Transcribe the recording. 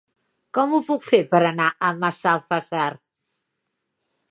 Com ho puc fer per anar a Massalfassar?